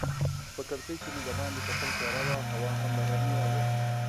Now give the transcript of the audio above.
په کړکۍ کې مې دباندې کتل، تیاره وه هوا هم باراني او یخه وه.